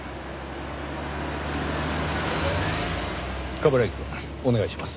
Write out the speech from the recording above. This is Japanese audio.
冠城くんお願いします。